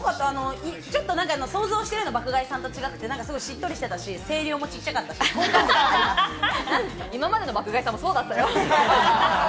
想像していた爆買いさんと違ってしっとりしていたし、今までの爆買いさんもそうだったよ。